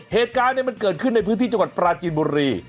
เหตุการณ์มันเกิดขึ้นในพื้นที่จังหวัดปราจีนบุรี